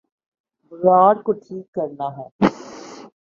بگاڑ کو ٹھیک کرنا ہے۔